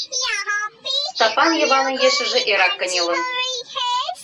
Стапан Йыванын ешыже эрак кынелын.